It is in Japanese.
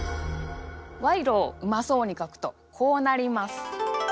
賄賂をうまそうに書くとこうなります。